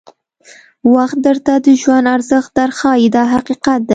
وخت درته د ژوند ارزښت در ښایي دا حقیقت دی.